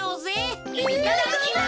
いただきます。